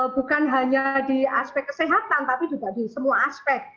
bukan hanya di aspek kesehatan tapi juga di semua aspek